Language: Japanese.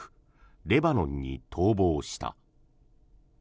レバノンに逃亡した。